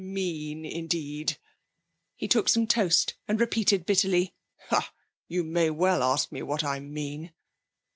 Mean, indeed!' He took some toast and repeated bitterly: 'Ah! You may well ask me what I mean!'